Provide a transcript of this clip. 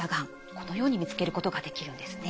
このように見つけることができるんですね。